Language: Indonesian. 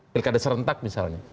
pilih kata serentak misalnya